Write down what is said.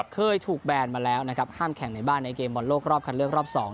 เคยถูกแบนมาแล้วนะครับห้ามแข่งในบ้านในเกมบอลโลกรอบคันเลือกรอบ๒